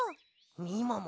みもも